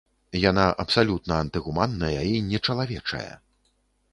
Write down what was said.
Яна абсалютна антыгуманная і нечалавечая.